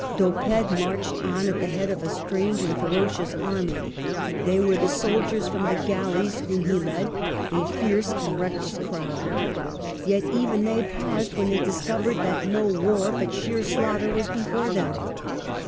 D'Oppede marched on at the head of a strange and ferocious army ; they were the soldiers from the galleys whom he led, a fierce and reckless crowd. Yet even they paused when they discovered that no war, but sheer slaughter, was before them.